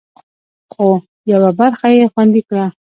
خو، یوه برخه یې خوندي کړه